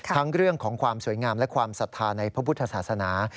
เรื่องของความสวยงามและความศรัทธาในพระพุทธศาสนา